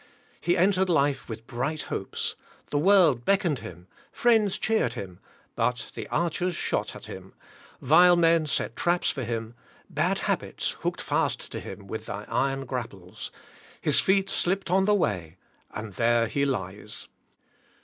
He entered life with bright hopes. The world beckoned him, friends cheered him, but the archers shot at him; vile men set traps for him, bad habits hooked fast to him with their iron grapples; his feet slipped on the way; and there he lies.